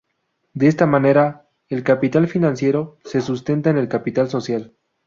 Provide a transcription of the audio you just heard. De esta manera, el capital financiero se sustenta en el capital social.